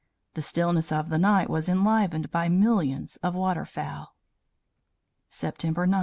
The stillness of the night was enlivened by millions of waterfowl. "September.